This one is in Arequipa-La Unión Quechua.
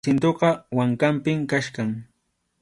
Jacintoqa wankanpim kachkan.